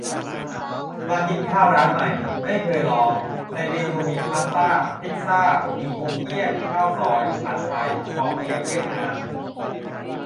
มากินข้าวร้านใหม่ ไม่เคยลอง ในเมนูมี พาสต้า พิซซ่า หมี่ฮกเกี้ยน ข้าวซอย ผัดไทย ปอเปี๊ยะเวียดนาม